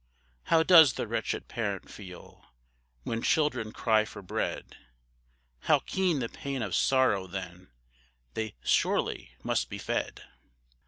How does the wretched parent feel, When children cry for bread, How keen the pain of sorrow then, They surely must be fed.